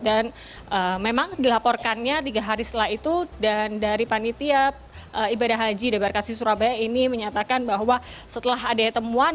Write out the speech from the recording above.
dan memang dilaporkannya tiga hari setelah itu dan dari panitia ibadah haji dabarkasi surabaya ini menyatakan bahwa setelah ada temuan